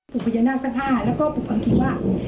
ปู่พญานาคท่านห้าแล้วก็ปู่พังคิวว่า